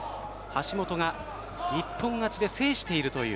橋本が一本勝ちで制しています。